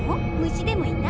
虫でもいた？